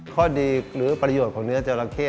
ข้อดีหรือประโยชน์ของเนื้อจราเข้